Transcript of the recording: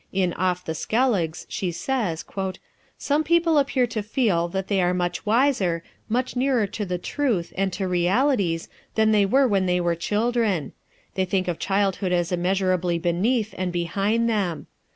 In Off the Skelligs she says: "Some people appear to feel that they are much wiser, much nearer to the truth and to realities, than they were when they were children. They think of childhood as immeasurably beneath and behind them.